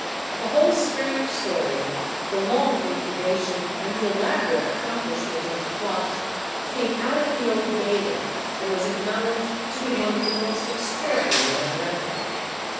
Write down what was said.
The whole strange story, the long incubation and the elaborate accomplishment of the plot, came out at the Old Bailey, and was acknowledged to be one of the most extraordinary on record.